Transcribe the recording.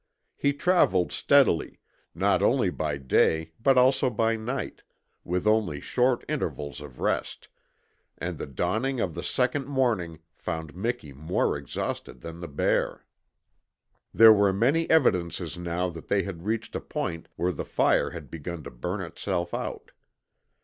He travelled steadily, not only by day but also by night, with only short intervals of rest, and the dawning of the second morning found Miki more exhausted than the bear. There were many evidences now that they had reached a point where the fire had begun to burn itself out.